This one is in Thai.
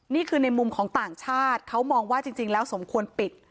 นี่คือในมุมของต่างชาติเขามองว่าจริงแล้วสมควรปิด